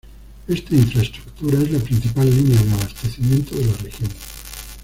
Esta infraestructura es la principal línea de abastecimiento de la región.